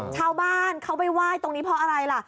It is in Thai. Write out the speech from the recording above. ชาวบ้านเขาไปไหว้ตรงนี้เพราะอะไรล่ะ